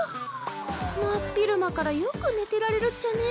真っ昼間からよく寝てられるっちゃねぇ。